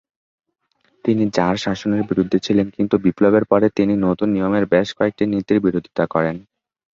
তিনি জার শাসনের বিরুদ্ধে ছিলেন কিন্তু বিপ্লবের পরে তিনি নতুন নিয়মের বেশ কয়েকটি নীতির বিরোধিতা করেন।